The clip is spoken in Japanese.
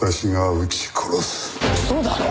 嘘だろ！？